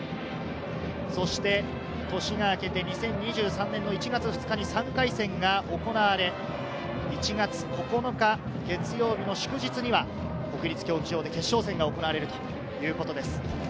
そして年が明けて、２０２３年の１月２日に３回戦が行われ、１月９日月曜日の祝日には、国立競技場で決勝戦が行われるということです。